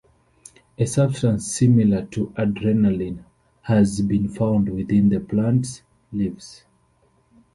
A substance similar to adrenaline has been found within the plant's leaves.